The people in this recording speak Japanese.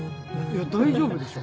大丈夫でしょ。